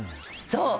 そう！